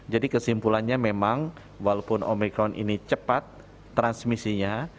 jadi kesimpulannya memang walaupun omikron ini cepat transmisinya